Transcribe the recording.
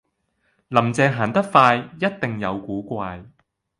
林鄭行得快,一定有古怪